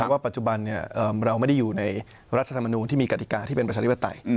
ว่าปัจจุบันเราไม่ได้อยู่ในรัฐธรรมนูลที่มีกฎิกาที่เป็นประชาธิปไตย